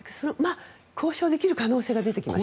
交渉できる可能性が出てきました。